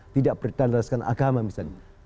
tidak bertandaskan agama misalnya